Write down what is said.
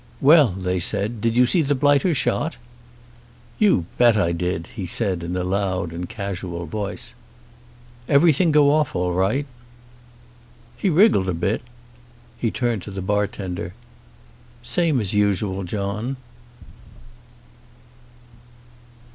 "Well," they said, "did you see the blighter shot?" "You bet I did," he said, in a loud and casual voice. "Everything go off all right?" "He wriggled a bit." He turned to the bar tender. "Same as usual, John."